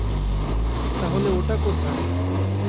তাহলে ওটা কোথায়?